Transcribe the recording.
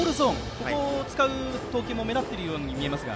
ここを使う投球も目立っているように思えますが。